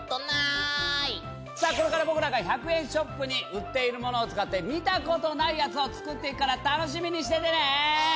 さあこれから僕らが１００円ショップに売っているものを使って見たことないやつを作っていくから楽しみにしててね。